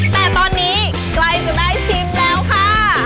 แต่ตอนนี้ใกล้จะได้ชิมแล้วค่ะ